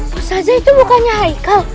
possaja itu bukannya heikal